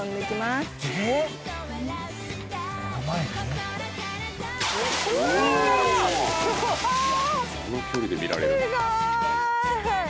すごい！